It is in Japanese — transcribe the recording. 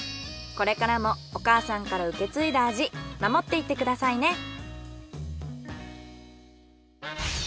これからもお母さんから受け継いだ味守っていってくださいね。